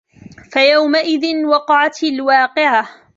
فَيَوْمَئِذٍ وَقَعَتِ الْوَاقِعَةُ